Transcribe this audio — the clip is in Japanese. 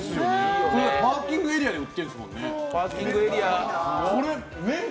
これパーキングエリアで売ってるんですもんね。